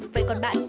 vậy còn bạn